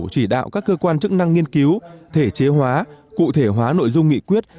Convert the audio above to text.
chỉ đạo các cơ quan chức năng nghiên cứu thể chế hóa cụ thể hóa nội dung nghị quyết